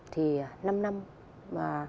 thì năm năm